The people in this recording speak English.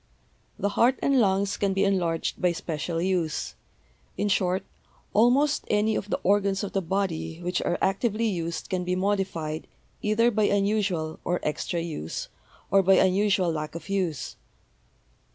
The heart and lungs can be enlarged by special use; in short, almost any of the organs of the body which are actively used can be modified either by unusual or extra use, or by unusual lack of use.